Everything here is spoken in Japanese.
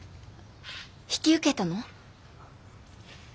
引き受けたの？